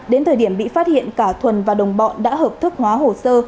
đến thời điểm bị phát hiện cả thuần và đồng bọn đã hợp thức hóa hồ sơ